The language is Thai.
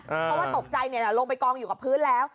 เพราะว่าตกใจลงไปกองอยู่กับพื้นแล้ว